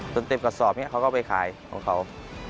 เต็มกระสอบนี้เขาก็ไปขายของเขา